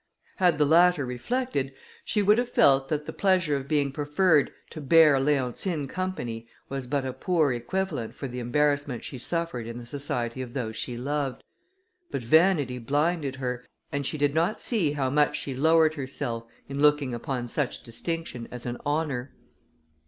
Had the latter reflected, she would have felt that the pleasure of being preferred to bear Leontine company was but a poor equivalent for the embarrassment she suffered in the society of those she loved; but vanity blinded her, and she did not see how much she lowered herself, in looking upon such distinction as an honour.